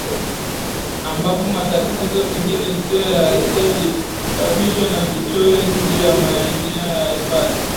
ambapo matatizo mengine sio ya asili husababishwa na vichocheo nje ya maeneo ya hifadhi